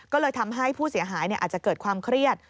ก็เลยทำให้ผู้เสียหายอาจจะเกิดความเครียด